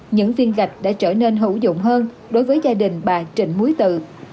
những viên gạch đã trở nên hữu dụng hơn đối với gia đình bà trịnh múi tự